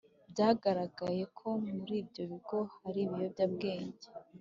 Byagaragaye ko muri ibyo bigo hari ibiyobyabwenge.